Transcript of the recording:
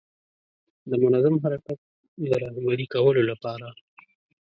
د منظم حرکت د رهبري کولو لپاره.